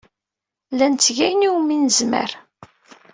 La netteg ayen umi nezmer.